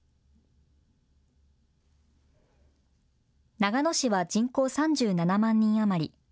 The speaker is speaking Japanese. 長野市は人口３７万人余り。